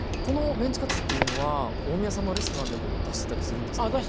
このメンチカツっていうのは大宮さんのレストランでも出してたりするんですか？